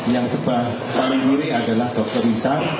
yang paling kiri adalah dokter wisa